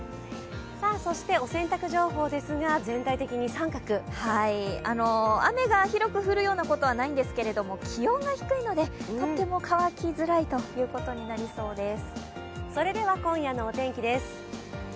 そしてお洗濯情報ですが雨が広く降るようなことはないんですけれども気温が低いので、とても乾きづらいということになりそうです。